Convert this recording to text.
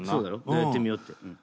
じゃあやってみようって。